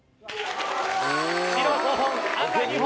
白５本赤２本